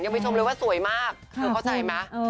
ยังไม่ชมเลยว่าสวยมากเธอเข้าใจมั้ย